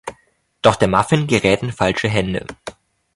Doch der Muffin gerät in falsche Hände.